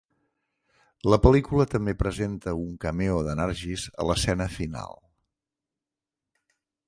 La pel·lícula també presenta un cameo de Nargis a l'escena final.